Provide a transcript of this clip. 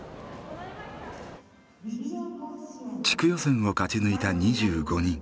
地区予選を勝ち抜いた２５人。